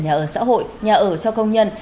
nhà ở xã hội nhà ở cho công nhân